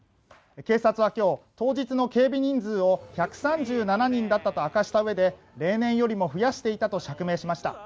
警察は今日、当日の警備人数を１３７人だったと明かしたうえで例年よりも増やしていたと釈明しました。